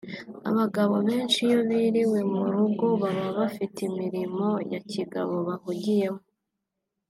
Abagabo benshi iyo biriwe mu rugo baba bafite imirimo ya kigabo bahugiyemo